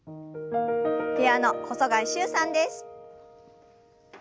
ピアノ細貝柊さんです。